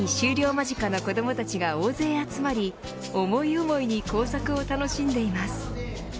間近の子どもたちが大勢集まり思い思いに工作を楽しんでいます。